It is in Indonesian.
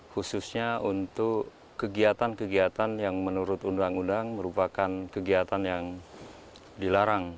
khususnya untuk kegiatan kegiatan yang menurut undang undang merupakan kegiatan yang dilarang